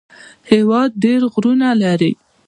هېواد ډېر غرونه لري